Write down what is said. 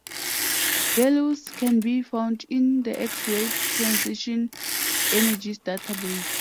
Values can be found in the X-Ray Transition Energies Database.